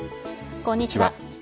こんにちは。